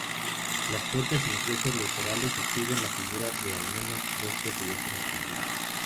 Las puertas de ingreso laterales exhiben la figura de al menos dos presidentes argentinos.